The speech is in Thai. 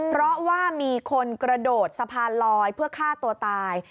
เพราะว่ามีคนกระโดดสะพานลอยเพื่อฆ่าตัวตาย